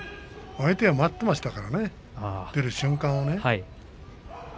相手は待っていましたからね出る瞬間を。